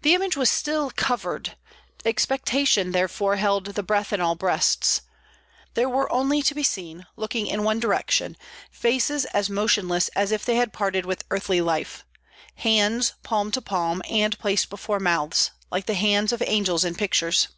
The image was still covered; expectation therefore held the breath in all breasts. There were only to be seen, looking in one direction, faces as motionless as if they had parted with earthly life, hands palm to palm and placed before mouths, like the hands of angels in pictures.